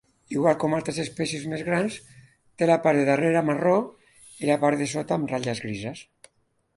Igual com altres espècies més grans, té la part de darrere marró i la part de sota amb ratlles grises.